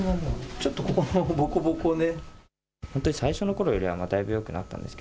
ちょっとここ、ぼこぼこでね。